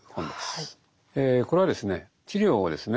これはですね治療をですね